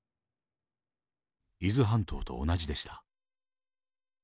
伊豆半島と同じでした。